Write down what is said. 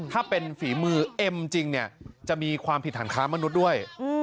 ถ้าเป็นฝีมือเอ็มจริงเนี่ยจะมีความผิดฐานค้ามนุษย์ด้วย